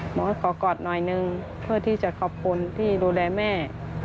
หมอขอกอดหน่อยนึงเพื่อที่จะขอบคุณที่ดูแลแม่